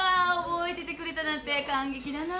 覚えててくれたなんて感激だな。